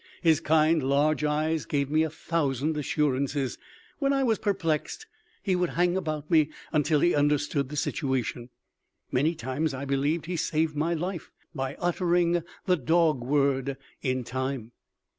His kind, large eyes gave me a thousand assurances. When I was perplexed, he would hang about me until he understood the situation. Many times I believed he saved my life by uttering the dog word in time.